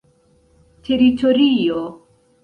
teritorio